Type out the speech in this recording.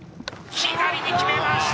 左に決めました。